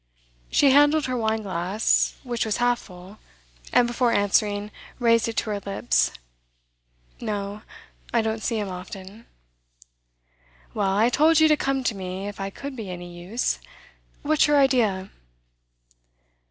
She handled her wine glass, which was half full, and, before answering, raised it to her lips. 'No, I don't see him often.' 'Well, I told you to come to me if I could be any use. What's your idea?